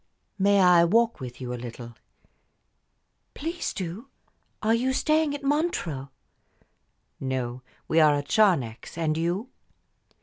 "May I walk with you a little?" "Please do. Are you staying at Montreux?" "No; we are at Charnex and you?"